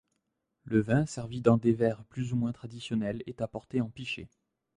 Le vin, servi dans des verres plus ou moins traditionnels, est apporté en pichet.